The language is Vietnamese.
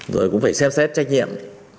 rồi cũng phải xếp xếp trách nhiệm